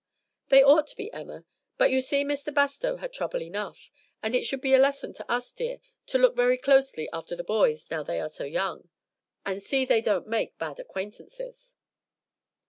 "They ought to be, Emma, but you see Mr. Bastow had trouble enough; and it should be a lesson to us, dear, to look very closely after the boys now they are young, and see that they don't make bad acquaintances."